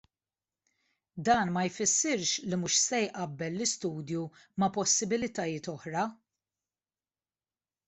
Dan ma jfissirx li mhux se jqabbel l-istudju ma' possibbiltajiet oħra.